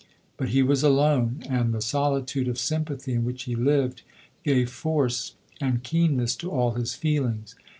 lUit he was alone, and the soli tude of sympathy in which he lived, gave force and keenness to all his feelings.